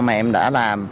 mà em đã làm